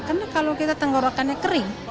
karena kalau kita tenggorokannya kering